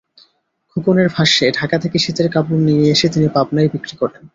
খোকনের ভাষ্য, ঢাকা থেকে শীতের কাপড় নিয়ে এসে তিনি পাবনায় বিক্রি করেন।